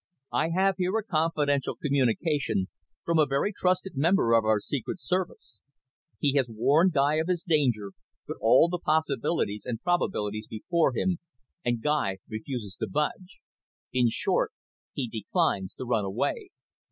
I have here a confidential communication from a very trusted member of our Secret Service. He has warned Guy of his danger, put all the possibilities and probabilities before him, and Guy refuses to budge. In short, he declines to run away.